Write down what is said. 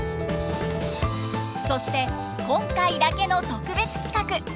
そして今回だけの特別企画！